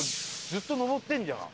ずっと上ってんじゃん。